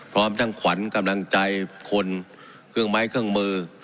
พร้อมทั้งขวัญกำลังใจคนเครื่องไม้เครื่องมือ